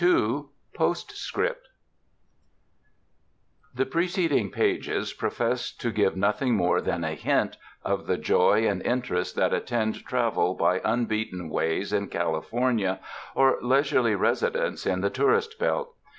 298 POSTSCRIPT The preceding pages profess to give nothing more than a hint of the joy and interest that attend travel by unbeaten ways in California, or leisurely resi dence in the tourist belt.